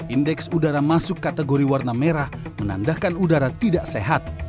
indeks udara masuk kategori warna merah menandakan udara tidak sehat